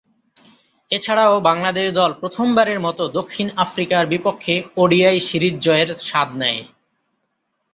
এছাড়াও বাংলাদেশ দল প্রথমবারের মতো দক্ষিণ আফ্রিকার বিপক্ষে ওডিআই সিরিজ জয়ের স্বাদ নেয়।